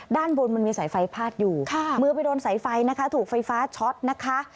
ด้านบนมันมีสายไฟพาดอยู่มือไปโดนสายไฟนะคะถูกไฟฟ้าช็อตนะคะ